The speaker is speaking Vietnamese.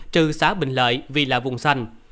trừ xã bình lợi vì là vùng xanh